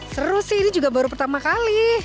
seru sih ini juga baru pertama kali